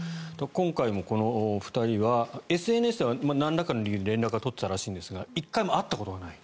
今回もこの２人はＳＮＳではなんらかの理由で連絡は取っていたらしいですが１回も会ったことがない。